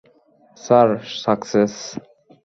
Sir, success?